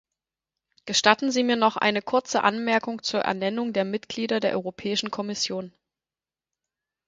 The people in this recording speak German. Gestatten Sie mir noch eine kurze Anmerkung zur Ernennung der Mitglieder der Europäischen Kommission.